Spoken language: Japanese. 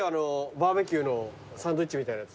バーベキューのサンドイッチみたいなやつ。